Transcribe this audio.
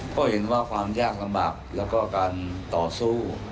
เพราะเห็นว่าความยากลำบากแล้วก็การต่อสู้